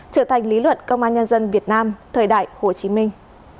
trở thành lý luận công an nhân dân việt nam thời đại hồ chí minh